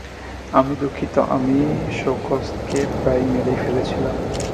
আমি দুঃখিত, আমি সোকসকে প্রায় মেরেই ফেলেছিলাম।